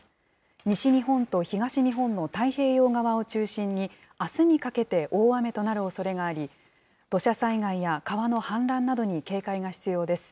西日本と東日本の太平洋側を中心に、あすにかけて、大雨となるおそれがあり、土砂災害や川の氾濫などに警戒が必要です。